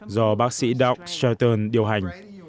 do bác sĩ doug shelton điều hành